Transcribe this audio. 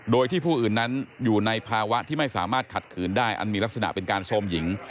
โดยที่ผู้อื่นนั้นอยู่ในภาวะที่ไม่สามารถขัดขืนได้อันมีลักษณะเป็นการโทรมหญิง